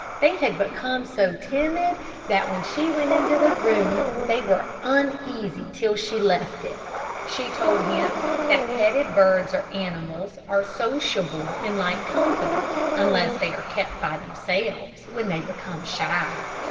They had become so timid, that when she went into the room they were uneasy till she left it. She told him that petted birds or animals are sociable and like company, unless they are kept by themselves, when they become shy.